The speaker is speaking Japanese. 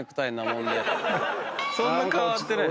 そんな変わってないです。